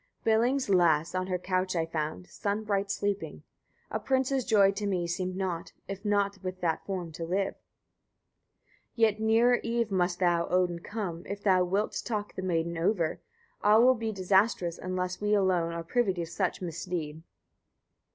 97. Billing's lass on her couch I found, sun bright, sleeping. A prince's joy to me seemed naught, if not with that form to live. 98. "Yet nearer eve must thou, Odin, come, if thou wilt talk the maiden over; all will be disastrous, unless we alone are privy to such misdeed."